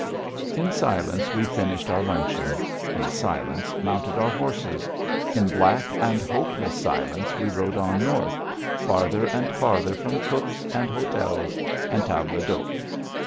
In silence we finished our luncheon; in silence, mounted our horses. In black and hopeless silence we rode on north, farther and farther from cooks and hotels and tables d'hôte.